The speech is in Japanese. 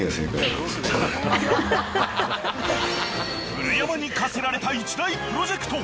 ［古山に課せられた一大プロジェクト］